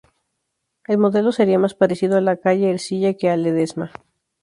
El modelo sería más parecido a la calle Ercilla que a Ledesma.